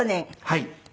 はい。